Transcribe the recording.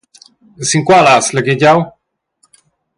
«Sin quala has laghegiau?»